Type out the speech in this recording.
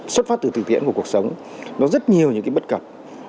xuất phát từ từ tiễn của cuộc sống nó rất nhiều những bất cập